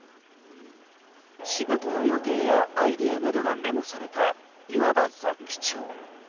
仕事の予定やアイデアなどがメモされたいわば雑記帳。